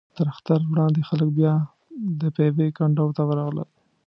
تر اختر وړاندې خلک بیا د پېوې کنډو ته ورغلل.